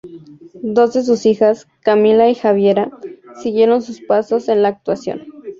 Dos de sus hijas, Camila y Javiera, siguieron sus pasos en la actuación.